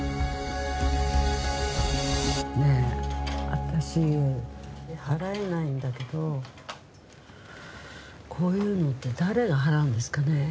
ねえ私払えないんだけどこういうのって誰が払うんですかね？